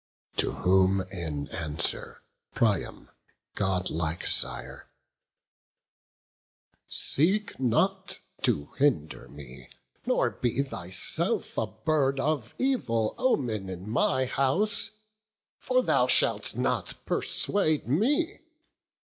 To whom in answer Priam, godlike sire: "Seek not to hinder me; nor be thyself A bird of evil omen in my house; For thou shalt not persuade me.